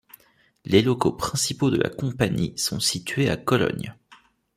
Les locaux principaux de la compagnie sont situés à Cologne.